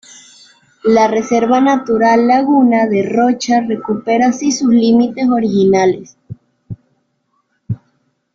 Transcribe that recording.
La Reserva Natural Laguna de Rocha recupera así sus límites originales.